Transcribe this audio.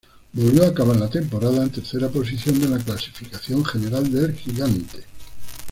Volvió a acabar la temporada en tercera posición de la clasificación general del gigante.